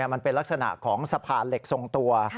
มันเป็นลักษณะของสะพานเหล็กทรงตัว